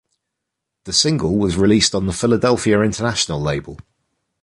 The single was released on the Philadelphia International label.